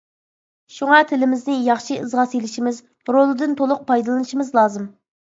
شۇڭا، تىلىمىزنى ياخشى ئىزغا سېلىشىمىز، رولىدىن تولۇق پايدىلىنىشىمىز لازىم.